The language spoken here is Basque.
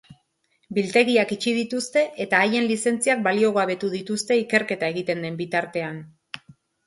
Biltegiak itxi dituzte eta haien lizentziak baliogabetu dituzte ikerketa egiten den bitartean.